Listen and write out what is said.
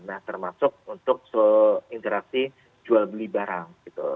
nah termasuk untuk interaksi jual beli barang gitu